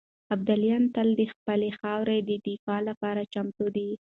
ابداليان تل د خپلې خاورې د دفاع لپاره چمتو دي.